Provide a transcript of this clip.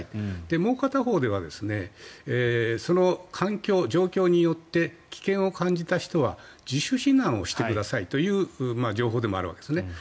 もう片方ではその環境、状況によって危険を感じた人は自主避難をしてくださいという情報でもあるわけですね。